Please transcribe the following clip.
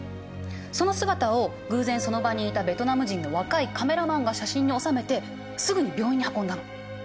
その姿を偶然その場にいたベトナム人の若いカメラマンが写真に収めてすぐに病院に運んだの。